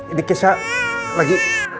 ini keesya lagi